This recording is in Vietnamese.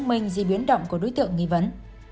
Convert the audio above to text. những địa điểm xác minh di biến động của đối tượng nghi vấn